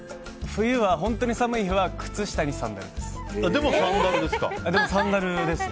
冬は本当に寒い日は靴下にサンダルです。